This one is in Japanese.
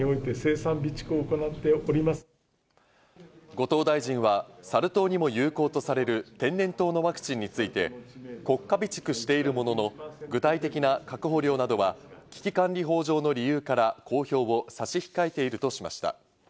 後藤大臣はサル痘にも有効とされる天然痘のワクチンについて国家備蓄しているものの、具体的な確保量などは危機管理法上の理由から公表を差し控えているとしました。